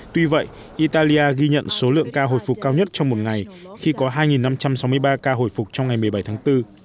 tuy vậy italia ghi nhận số lượng ca hồi phục cao nhất trong một ngày khi có hai năm trăm sáu mươi ba ca hồi phục trong ngày một mươi bảy tháng bốn